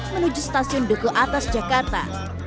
menuju stasiun duku atas jakarta